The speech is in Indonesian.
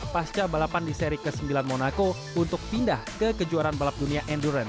pasca balapan di seri ke sembilan monaco untuk pindah ke kejuaraan balap dunia endurance